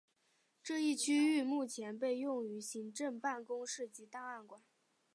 这一区域目前被用于行政办公室及档案馆。